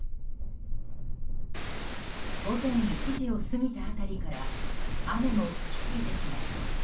午前１時を過ぎた辺りから雨も吹き付けてきます。